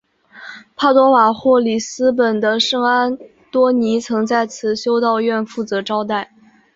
帕多瓦或里斯本的圣安多尼曾在此修道院负责招待。